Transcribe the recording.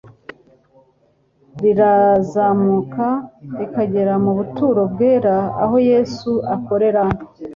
rirazamuka rikagera mu buturo bwera aho Yesu akorera,